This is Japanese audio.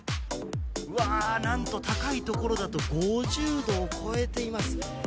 うわ、何と高いところだと５０度を超えています。